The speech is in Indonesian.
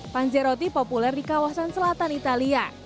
panzeroti populer di kawasan selatan italia